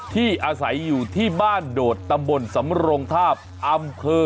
ที่อาศัยอยู่ที่บ้านโดดตำบลสำรงทาบอำเภอ